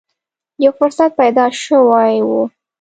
یو فرصت پیدا شوې و